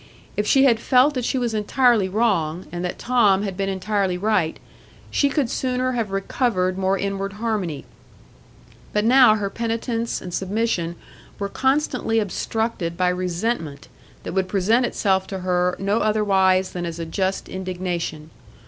If she had felt that she was entirely wrong, and that Tom had been entirely right, she could sooner have recovered more inward harmony; but now her penitence and submission were constantly obstructed by resentment that would present itself to her no otherwise than as a just indignation.